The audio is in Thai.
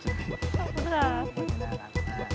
ขอบคุณค่ะ